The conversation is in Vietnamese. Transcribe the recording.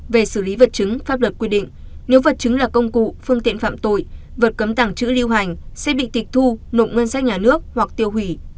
về xử lý vật chứng pháp luật quy định nếu vật chứng là công cụ phương tiện phạm tội vật cấm tảng chữ lưu hành sẽ bị tịch thu nộp ngân sách nhà nước hoặc tiêu hủy